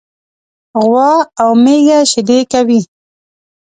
غوا او میږه شيدي کوي.